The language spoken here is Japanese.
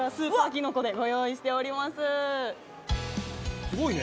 すごいね！